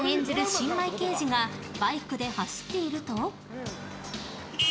新米刑事がバイクで走っていると。